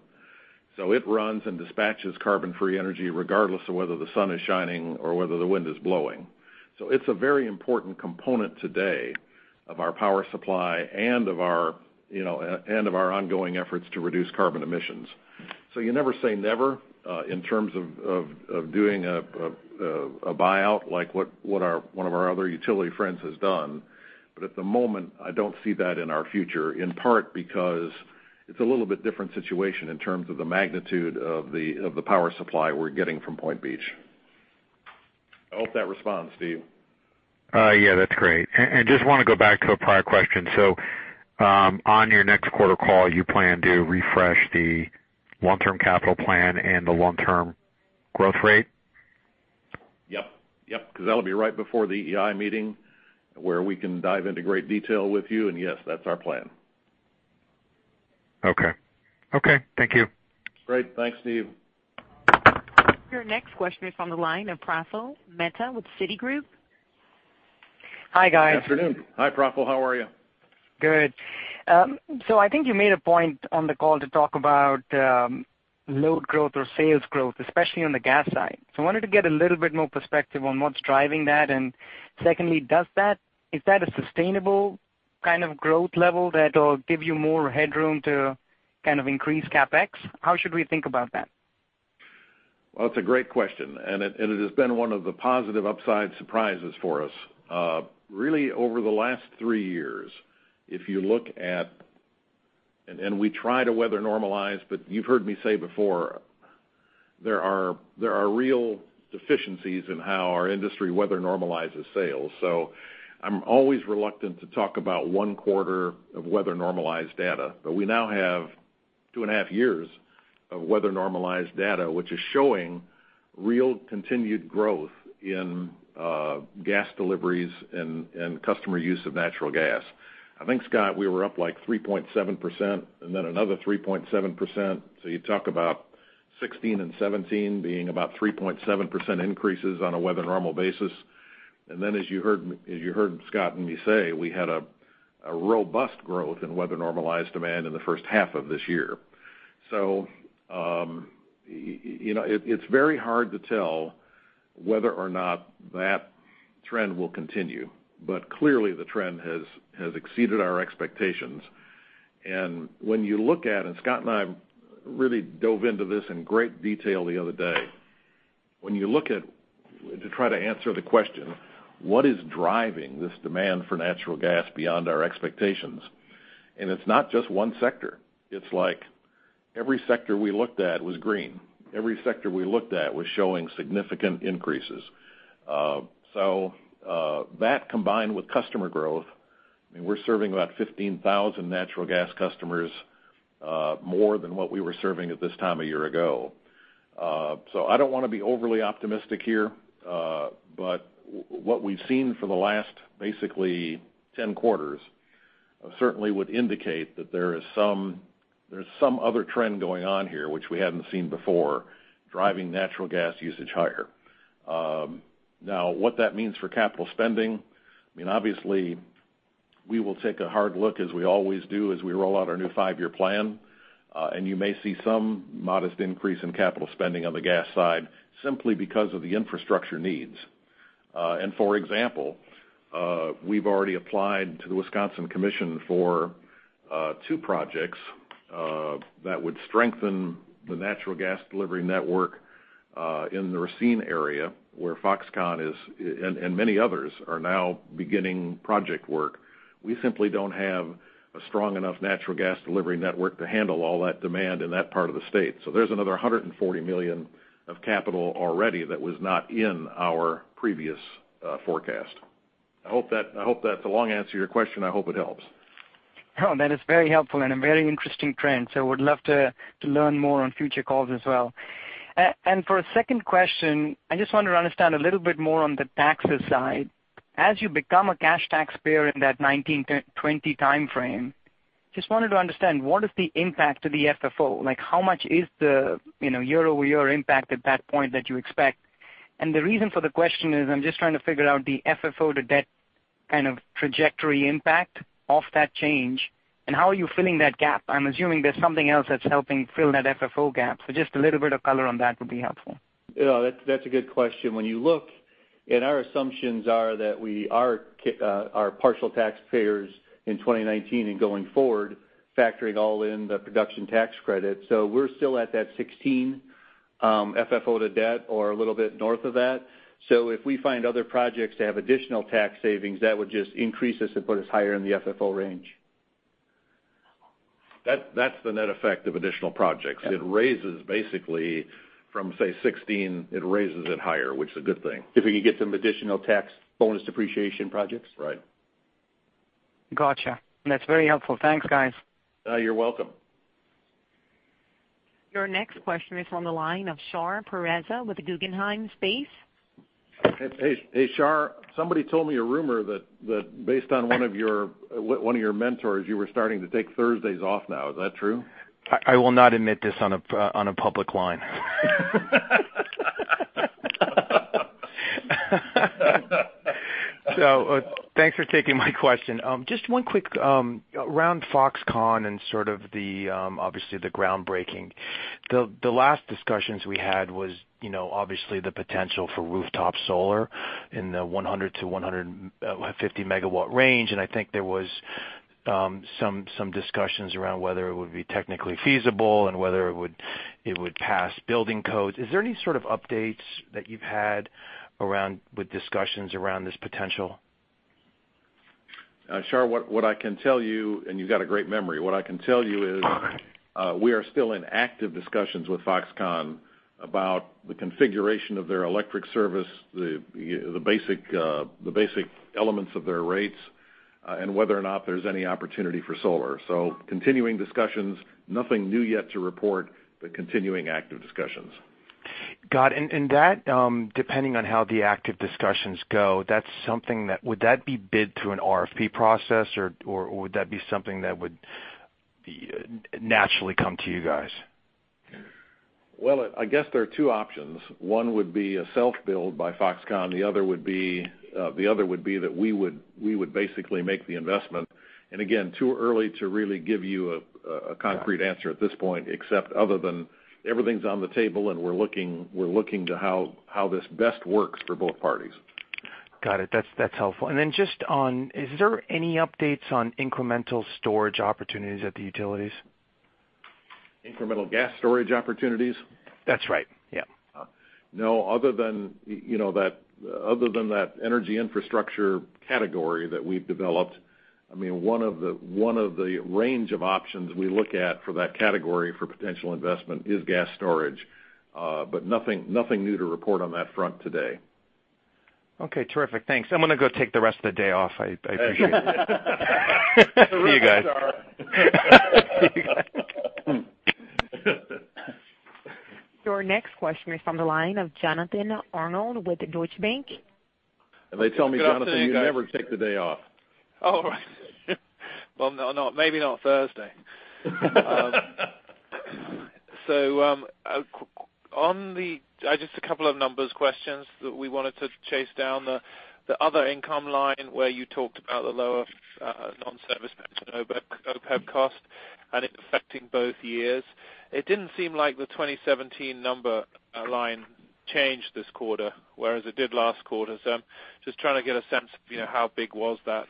It runs and dispatches carbon-free energy regardless of whether the sun is shining or whether the wind is blowing. It's a very important component today of our power supply and of our ongoing efforts to reduce carbon emissions. You never say never, in terms of doing a buyout like what one of our other utility friends has done. At the moment, I don't see that in our future, in part because it's a little bit different situation in terms of the magnitude of the power supply we're getting from Point Beach. I hope that responds, Steve.
Yeah, that's great. Just want to go back to a prior question. On your next quarter call, you plan to refresh the long-term capital plan and the long-term growth rate?
Yep. Because that'll be right before the EEI meeting where we can dive into great detail with you. Yes, that's our plan.
Okay. Thank you.
Great. Thanks, Steve.
Your next question is from the line of Praful Mehta with Citigroup.
Hi, guys.
Good afternoon. Hi, Praful. How are you?
Good. I think you made a point on the call to talk about load growth or sales growth, especially on the gas side. I wanted to get a little bit more perspective on what's driving that, and secondly, is that a sustainable kind of growth level that'll give you more headroom to kind of increase CapEx? How should we think about that?
It's a great question, and it has been one of the positive upside surprises for us. Really over the last three years, if you look at, and we try to weather normalize, but you've heard me say before, there are real deficiencies in how our industry weather normalizes sales. I'm always reluctant to talk about one quarter of weather normalized data. We now have two and a half years of weather normalized data, which is showing real continued growth in gas deliveries and customer use of natural gas. I think, Scott, we were up like 3.7% and then another 3.7%. You talk about 2016 and 2017 being about 3.7% increases on a weather normal basis. Then as you heard Scott and me say, we had a robust growth in weather normalized demand in the first half of this year. It's very hard to tell whether or not that trend will continue, clearly the trend has exceeded our expectations. When Scott and I really dove into this in great detail the other day, to try to answer the question, what is driving this demand for natural gas beyond our expectations? It's not just one sector. It's like every sector we looked at was green. Every sector we looked at was showing significant increases. That combined with customer growth, I mean, we're serving about 15,000 natural gas customers, more than what we were serving at this time a year ago. I don't want to be overly optimistic here. What we've seen for the last, basically 10 quarters, certainly would indicate that there's some other trend going on here, which we haven't seen before, driving natural gas usage higher. What that means for capital spending, I mean, obviously we will take a hard look, as we always do, as we roll out our new five-year plan. You may see some modest increase in capital spending on the gas side simply because of the infrastructure needs. For example, we've already applied to the Wisconsin Commission for two projects that would strengthen the natural gas delivery network, in the Racine area where Foxconn is, and many others are now beginning project work. We simply don't have a strong enough natural gas delivery network to handle all that demand in that part of the state. There's another $140 million of capital already that was not in our previous forecast. I hope that's a long answer to your question. I hope it helps.
That is very helpful and a very interesting trend. Would love to learn more on future calls as well. For a second question, I just wanted to understand a little bit more on the taxes side. As you become a cash taxpayer in that 2019, 2020 timeframe, just wanted to understand what is the impact to the FFO? Like how much is the year-over-year impact at that point that you expect? The reason for the question is I'm just trying to figure out the FFO to debt kind of trajectory impact of that change, and how are you filling that gap? I'm assuming there's something else that's helping fill that FFO gap. Just a little bit of color on that would be helpful.
That's a good question. When you look, our assumptions are that we are partial taxpayers in 2019 and going forward, factoring all in the production tax credit. We're still at that 16 FFO to debt or a little bit north of that. If we find other projects to have additional tax savings, that would just increase us and put us higher in the FFO range.
That's the net effect of additional projects.
Yeah.
It raises basically from, say 16, it raises it higher, which is a good thing.
If we can get some additional tax bonus depreciation projects.
Right.
Got you. That's very helpful. Thanks, guys.
You're welcome.
Your next question is on the line of Shar Pourreza with the Guggenheim.
Hey, Shar. Somebody told me a rumor that based on one of your mentors, you were starting to take Thursdays off now. Is that true?
I will not admit this on a public line. Thanks for taking my question. Just one quick around Foxconn and sort of the, obviously, the groundbreaking. The last discussions we had was obviously the potential for rooftop solar in the 100-150 MW range, and I think there was some discussions around whether it would be technically feasible and whether it would pass building codes. Is there any sort of updates that you've had with discussions around this potential?
Shar, what I can tell you. You've got a great memory. What I can tell you is.
Okay
We are still in active discussions with Foxconn about the configuration of their electric service, the basic elements of their rates, and whether or not there's any opportunity for solar. Continuing discussions, nothing new yet to report, continuing active discussions.
Got it. That, depending on how the active discussions go, would that be bid through an RFP process or would that be something that would naturally come to you guys?
Well, I guess there are two options. One would be a self-build by Foxconn, the other would be that we would basically make the investment. Again, too early to really give you a concrete answer at this point, except other than everything's on the table and we're looking to how this best works for both parties.
Got it. That's helpful. Then is there any updates on incremental storage opportunities at the utilities?
Incremental gas storage opportunities?
That's right. Yeah.
No, other than that energy infrastructure category that we've developed, one of the range of options we look at for that category for potential investment is gas storage. Nothing new to report on that front today.
Okay, terrific. Thanks. I'm going to go take the rest of the day off. I appreciate it. See you guys.
Your next question is from the line of Jonathan Arnold with Deutsche Bank.
They tell me, Jonathan.
Good afternoon, guys
you never take the day off.
All right. Well, maybe not Thursday. Just a couple of numbers questions that we wanted to chase down the other income line where you talked about the lower non-service pension OPEB cost and it affecting both years. It didn't seem like the 2017 number line changed this quarter, whereas it did last quarter. Just trying to get a sense of how big was that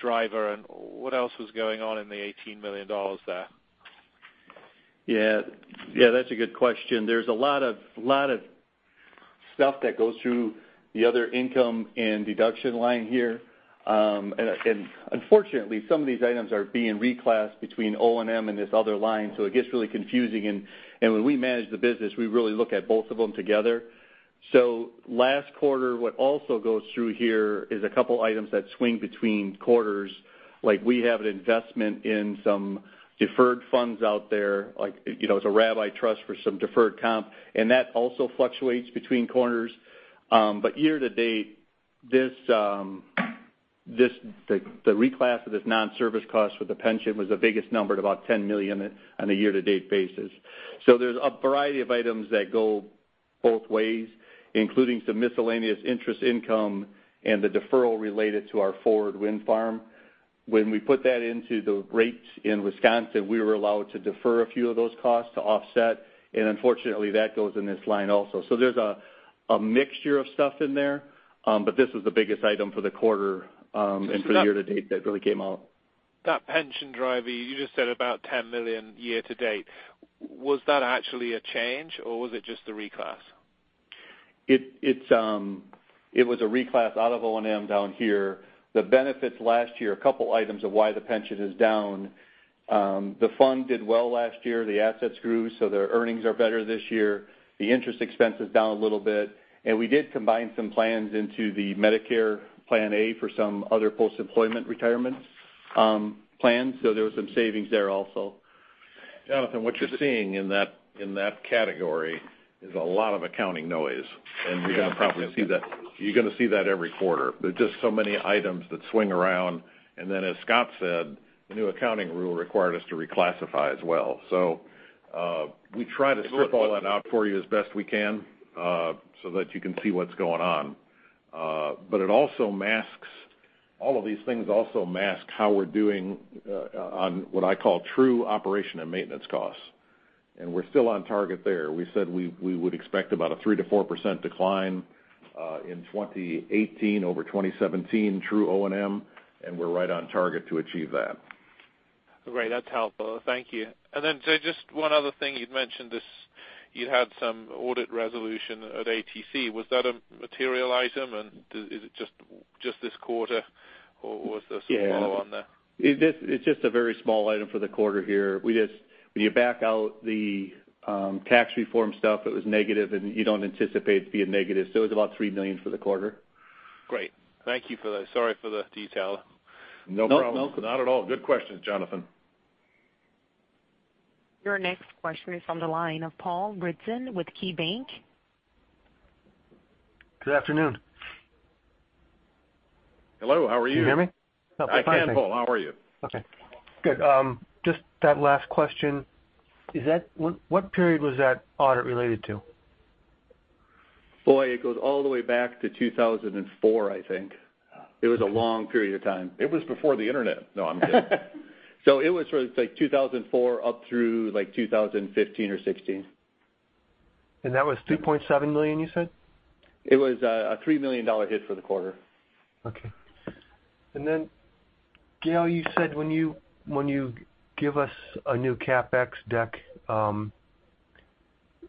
driver and what else was going on in the $18 million there?
Yeah. That's a good question. There's a lot of stuff that goes through the other income and deduction line here. Unfortunately, some of these items are being reclassed between O&M and this other line, so it gets really confusing. When we manage the business, we really look at both of them together. Last quarter, what also goes through here is a couple items that swing between quarters. Like we have an investment in some deferred funds out there, like it's a rabbi trust for some deferred comp, and that also fluctuates between quarters. Year to date, the reclass of this non-service cost for the pension was the biggest number at about $10 million on a year-to-date basis. There's a variety of items that go both ways, including some miscellaneous interest income and the deferral related to our forward wind farm. When we put that into the rates in Wisconsin, we were allowed to defer a few of those costs to offset, unfortunately, that goes in this line also. There's a mixture of stuff in there. This was the biggest item for the quarter and for the year-to-date that really came out.
That pension driver, you just said about $10 million year-to-date. Was that actually a change or was it just a reclass?
It was a reclass out of O&M down here. The benefits last year, a couple items of why the pension is down. The fund did well last year. The assets grew, their earnings are better this year. The interest expense is down a little bit. We did combine some plans into the Medicare Part A for some other post-employment retirement plans. There was some savings there also.
Jonathan, what you're seeing in that category is a lot of accounting noise, you're going to see that every quarter. There are just so many items that swing around. Then, as Scott said, the new accounting rule required us to reclassify as well. We try to sort all that out for you as best we can so that you can see what's going on. All of these things also mask how we're doing on what I call true operation and maintenance costs. We're still on target there. We said we would expect about a 3%-4% decline in 2018 over 2017 true O&M, we're right on target to achieve that.
Great. That's helpful. Thank you. Just one other thing, you'd mentioned you had some audit resolution at ATC. Was that a material item, and is it just this quarter, or was there some follow on there?
Yeah. It's just a very small item for the quarter here. When you back out the tax reform stuff, it was negative, and you don't anticipate it to be a negative. It was about $3 million for the quarter.
Great. Thank you for that. Sorry for the detail.
No problem. Not at all. Good questions, Jonathan.
Your next question is from the line of Paul Ridzon with KeyBanc.
Good afternoon.
Hello, how are you?
Can you hear me?
I can, Paul. How are you?
Okay, good. Just that last question, what period was that audit related to?
Boy, it goes all the way back to 2004, I think. It was a long period of time.
It was before the internet. No, I'm kidding.
It was from, like, 2004 up through 2015 or 2016.
That was $2.7 million, you said?
It was a $3 million hit for the quarter.
Okay. Then, Gale, you said when you give us a new CapEx deck,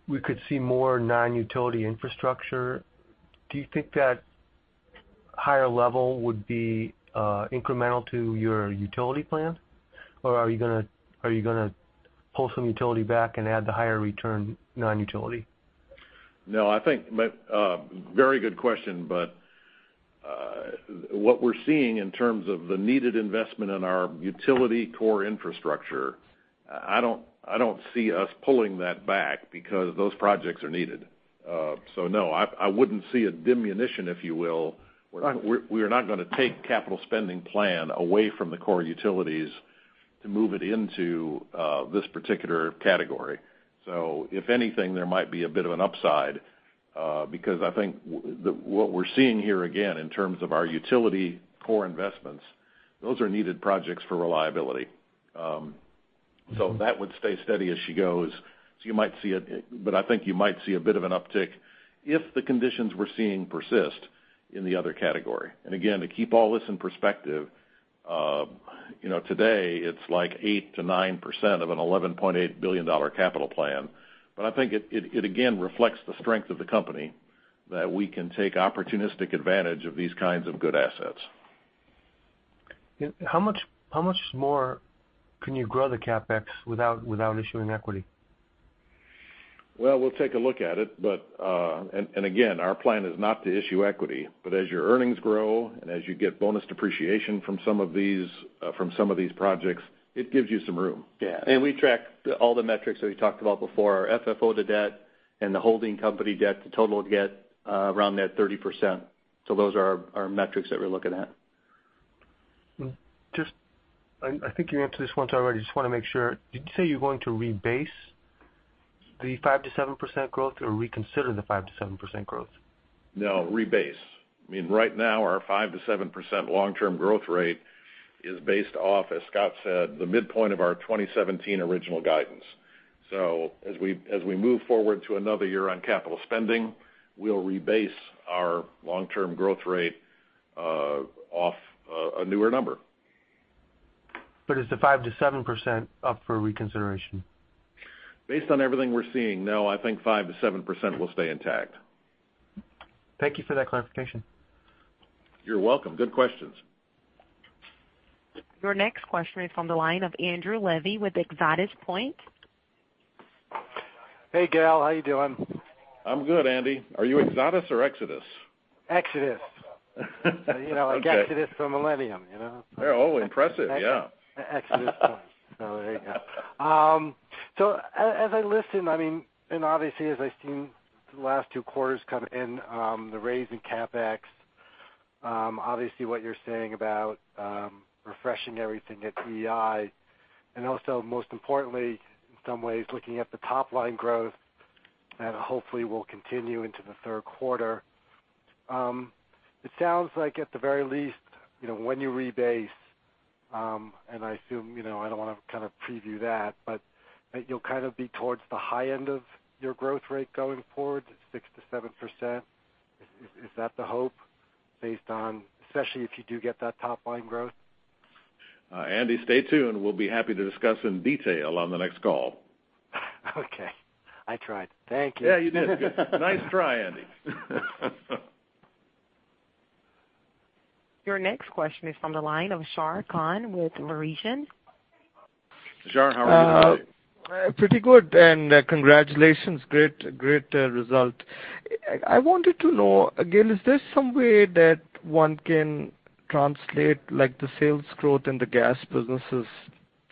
we could see more non-utility infrastructure. Do you think that higher level would be incremental to your utility plan? Or are you going to pull some utility back and add the higher return non-utility?
No. Very good question. What we're seeing in terms of the needed investment in our utility core infrastructure, I don't see us pulling that back because those projects are needed. No, I wouldn't see a diminution, if you will. We're not going to take capital spending plan away from the core utilities to move it into this particular category. If anything, there might be a bit of an upside, because I think what we're seeing here, again, in terms of our utility core investments, those are needed projects for reliability. That would stay steady as she goes. I think you might see a bit of an uptick if the conditions we're seeing persist in the other category. Again, to keep all this in perspective, today it's like 8%-9% of an $11.8 billion capital plan. I think it again reflects the strength of the company that we can take opportunistic advantage of these kinds of good assets.
How much more can you grow the CapEx without issuing equity?
Well, we'll take a look at it. Again, our plan is not to issue equity, but as your earnings grow and as you get bonus depreciation from some of these projects, it gives you some room.
We track all the metrics that we talked about before, our FFO to debt and the holding company debt to total debt around that 30%. Those are our metrics that we're looking at.
I think you answered this once already, just want to make sure. Did you say you're going to rebase the 5%-7% growth or reconsider the 5%-7% growth?
No, rebase. Right now, our 5%-7% long-term growth rate is based off, as Scott said, the midpoint of our 2017 original guidance. As we move forward to another year on capital spending, we'll rebase our long-term growth rate off a newer number.
Is the 5%-7% up for reconsideration?
Based on everything we're seeing, no, I think 5%-7% will stay intact.
Thank you for that clarification.
You're welcome. Good questions.
Your next question is from the line of Andrew Levy with ExodusPoint.
Hey, Gale. How you doing?
I'm good, Andy. Are you Exodus or Exodus?
Exodus.
Okay.
Like Exodus from Millennium.
Oh, impressive, yeah.
ExodusPoint. There you go. As I listen, and obviously as I've seen the last 2 quarters come in, the raise in CapEx, obviously what you're saying about refreshing everything at EEI, and also most importantly, in some ways, looking at the top-line growth that hopefully will continue into the third quarter. It sounds like at the very least, when you rebase, and I assume, I don't want to preview that, but you'll be towards the high end of your growth rate going forward, 6%-7%? Is that the hope, based on, especially if you do get that top-line growth?
Andy, stay tuned. We'll be happy to discuss in detail on the next call.
Okay. I tried. Thank you.
You did good. Nice try, Andy.
Your next question is from the line of [Shah Khan] with [Meridian].
Shah how are you today?
Pretty good. Congratulations, great result. I wanted to know, again, is there some way that one can translate the sales growth in the gas businesses?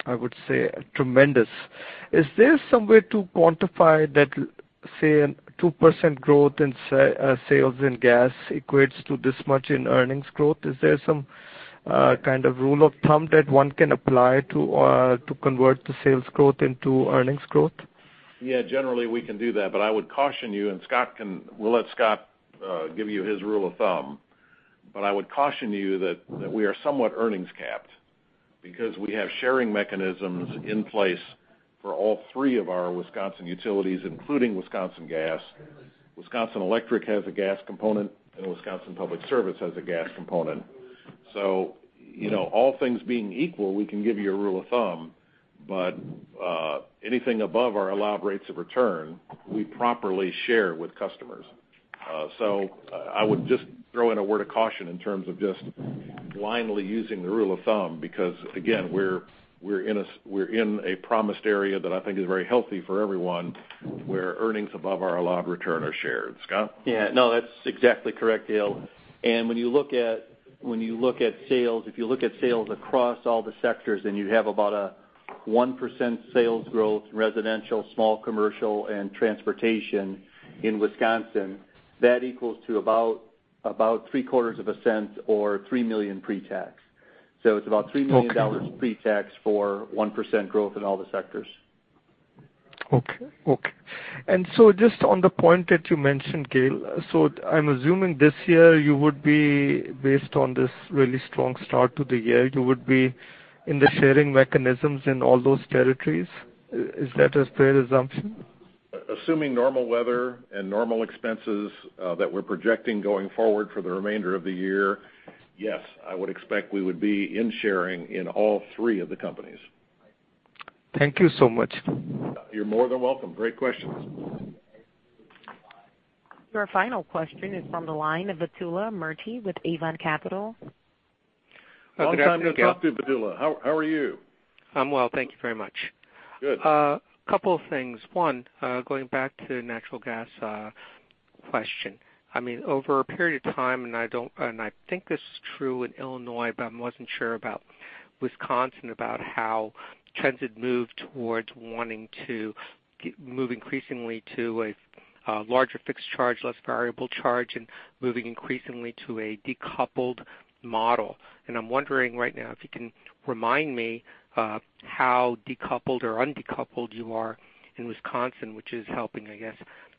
I would say tremendous. Is there some way to quantify that, say, a 2% growth in sales in gas equates to this much in earnings growth? Is there some kind of rule of thumb that one can apply to convert the sales growth into earnings growth?
Yeah, generally we can do that, I would caution you, and we'll let Scott give you his rule of thumb, but I would caution you that we are somewhat earnings capped because we have sharing mechanisms in place for all three of our Wisconsin utilities, including Wisconsin Gas. Wisconsin Electric has a gas component, and Wisconsin Public Service has a gas component. All things being equal, we can give you a rule of thumb, but anything above our allowed rates of return, we properly share with customers. I would just throw in a word of caution in terms of just blindly using the rule of thumb because, again, we're in a promised area that I think is very healthy for everyone, where earnings above our allowed return are shared. Scott?
Yeah. No, that's exactly correct, Gale. When you look at sales, if you look at sales across all the sectors, you have about a 1% sales growth in residential, small commercial, and transportation in Wisconsin. That equals to about three quarters of a cent or $3 million pre-tax. It's about $3 million pre-tax for 1% growth in all the sectors.
Okay. Just on the point that you mentioned, Gale, I'm assuming this year, based on this really strong start to the year, you would be in the sharing mechanisms in all those territories. Is that a fair assumption?
Assuming normal weather and normal expenses, that we're projecting going forward for the remainder of the year, yes. I would expect we would be in sharing in all three of the companies.
Thank you so much.
You're more than welcome. Great questions.
Your final question is from the line of Vedula Murti with Avon Capital.
Long time no talk to you Vedula. How are you?
I'm well, thank you very much.
Good.
A couple of things. One, going back to the natural gas question. Over a period of time, and I think this is true in Illinois, but I wasn't sure about Wisconsin, about how trends had moved towards wanting to move increasingly to a larger fixed charge, less variable charge, and moving increasingly to a decoupled model. I'm wondering right now if you can remind me how decoupled or un-decoupled you are in Wisconsin, which is helping, I guess,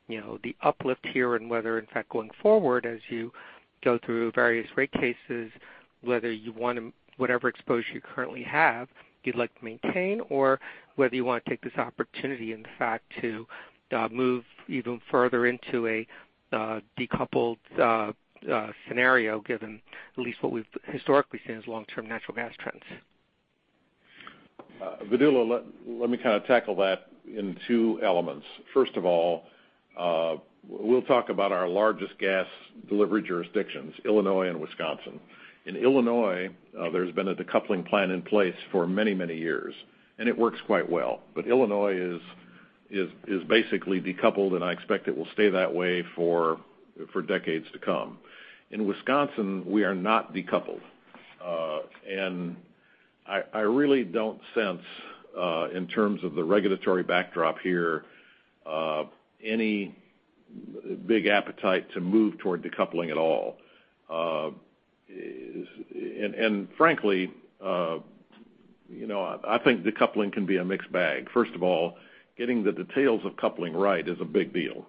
the uplift here and whether, in fact, going forward as you go through various rate cases, whether whatever exposure you currently have, you'd like to maintain, or whether you want to take this opportunity, in fact, to move even further into a decoupled scenario, given at least what we've historically seen as long-term natural gas trends.
Vedula, let me kind of tackle that in two elements. First of all, we'll talk about our largest gas delivery jurisdictions, Illinois and Wisconsin. In Illinois, there's been a decoupling plan in place for many, many years, and it works quite well. Illinois is basically decoupled, and I expect it will stay that way for decades to come. In Wisconsin, we are not decoupled. I really don't sense, in terms of the regulatory backdrop here, any big appetite to move toward decoupling at all. Frankly, I think decoupling can be a mixed bag. First of all, getting the details of coupling right is a big deal.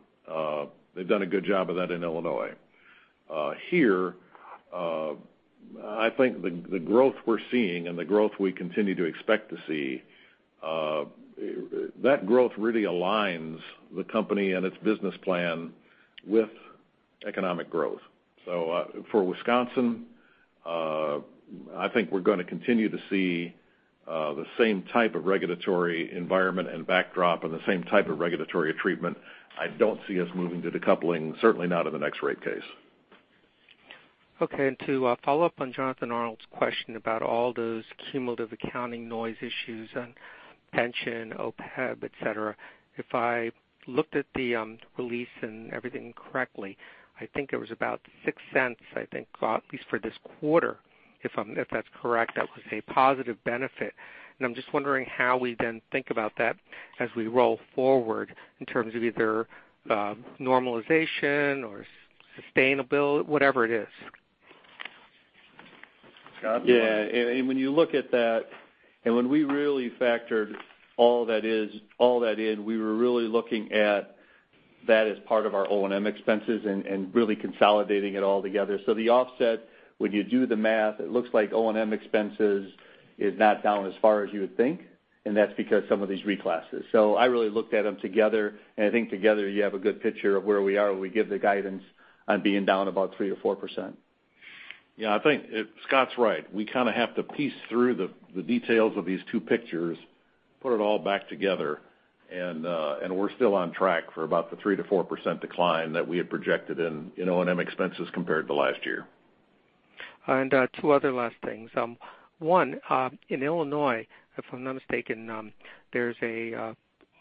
They've done a good job of that in Illinois. Here, I think the growth we're seeing and the growth we continue to expect to see, that growth really aligns the company and its business plan with economic growth. For Wisconsin, I think we're going to continue to see the same type of regulatory environment and backdrop and the same type of regulatory treatment. I don't see us moving to decoupling, certainly not in the next rate case.
Okay, to follow up on Jonathan Arnold's question about all those cumulative accounting noise issues on pension, OPEB, et cetera. If I looked at the release and everything correctly, I think it was about $0.06, I think, at least for this quarter. If that's correct, that was a positive benefit. I'm just wondering how we then think about that as we roll forward in terms of either normalization or sustainability, whatever it is.
Scott?
Yeah. When you look at that, when we really factored all that in, we were really looking at that as part of our O&M expenses and really consolidating it all together. The offset, when you do the math, it looks like O&M expenses is not down as far as you would think, and that's because some of these reclasses. I really looked at them together, and I think together you have a good picture of where we are when we give the guidance on being down about 3%-4%.
Yeah, I think Scott's right. We kind of have to piece through the details of these two pictures, put it all back together, we're still on track for about the 3%-4% decline that we had projected in O&M expenses compared to last year.
Two other last things. One, in Illinois, if I'm not mistaken, there's a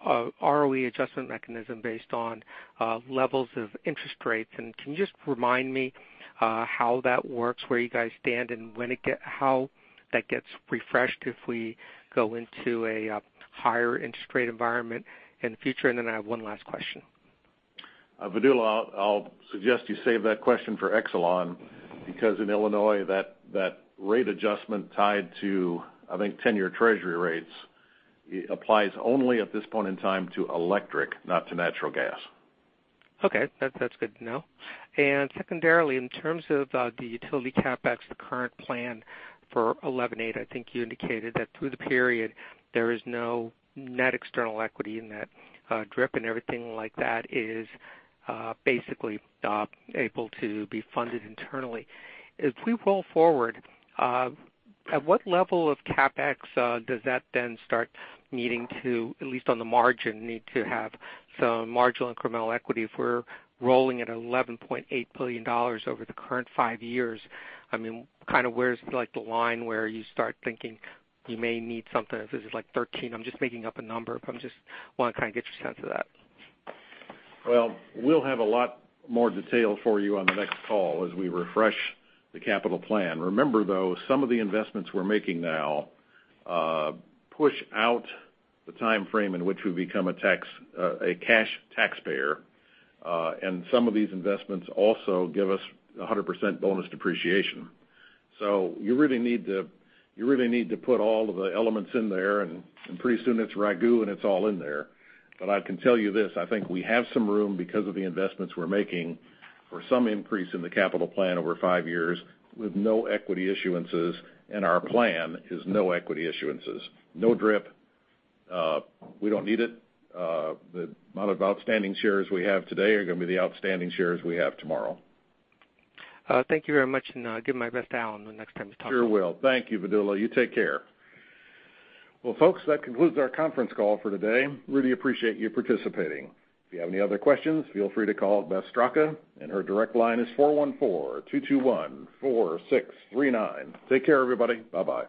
ROE adjustment mechanism based on levels of interest rates. Can you just remind me how that works, where you guys stand, and how that gets refreshed if we go into a higher interest rate environment in the future? I have one last question.
Vedula, I'll suggest you save that question for Exelon, because in Illinois, that rate adjustment tied to, I think, 10-year treasury rates, applies only at this point in time to electric, not to natural gas.
Okay. That's good to know. Secondarily, in terms of the utility CapEx, the current plan for $11.8 billion, I think you indicated that through the period, there is no net external equity in that. DRIP and everything like that is basically able to be funded internally. As we roll forward, at what level of CapEx does that then start needing to, at least on the margin, need to have some marginal incremental equity? If we're rolling at $11.8 billion over the current five years, where's the line where you start thinking you may need something if this is like 13? I'm just making up a number. I just want to kind of get your sense of that.
Well, we'll have a lot more detail for you on the next call as we refresh the capital plan. Remember though, some of the investments we're making now push out the timeframe in which we become a cash taxpayer, and some of these investments also give us 100% bonus depreciation. You really need to put all of the elements in there, and pretty soon it's RAGÚ and it's all in there. I can tell you this, I think we have some room because of the investments we're making for some increase in the capital plan over five years with no equity issuances, and our plan is no equity issuances. No DRIP. We don't need it. The amount of outstanding shares we have today are going to be the outstanding shares we have tomorrow.
Thank you very much. Give my best to Allen the next time you talk to him.
Sure will. Thank you, Vedula. You take care. Well, folks, that concludes our conference call for today. Really appreciate you participating. If you have any other questions, feel free to call Beth Straka. Her direct line is 414-221-4639. Take care, everybody. Bye-bye.